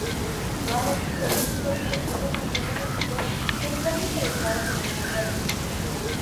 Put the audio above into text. Todas las especies inteligentes del mundo conocido están interesadas en el mundo anillo.